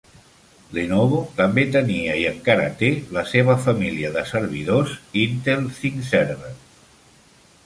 Lenovo també tenia i encara té la seva família de servidors Intel ThinkServer.